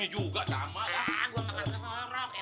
jam sembilan hampir umi